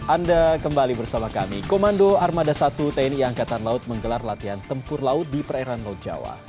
anda kembali bersama kami komando armada satu tni angkatan laut menggelar latihan tempur laut di perairan laut jawa